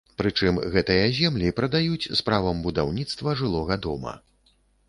Прычым гэтыя землі прадаюць з правам будаўніцтва жылога дома.